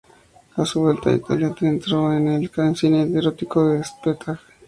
A su vuelta a Italia se adentró en el cine erótico y de destape.